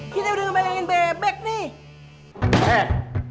kita udah ngebayangin bebek nih